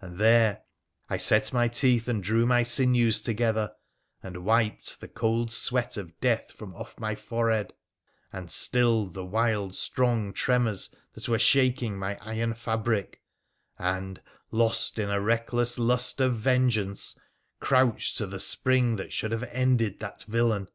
And there I set my teeth, and drew my sinews together, and wiped the cold sweat of death from off my forehead, and stilled the wild strong tremors that were shaking my iron fabric, and, lost in a reckless lust of vengeance, crouched to the spring that should have ended that villain.